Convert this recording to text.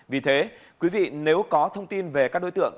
vì thế quý vị nếu có thông tin về các đối tượng